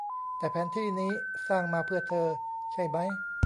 แต่แผนที่นี้สร้างมาเพื่อเธอ ใช่มั้ย